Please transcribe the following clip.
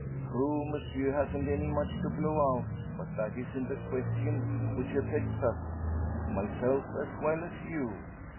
True, Monsieur hasn't any much to blow out; but that isn't a question which affects us myself as well as you.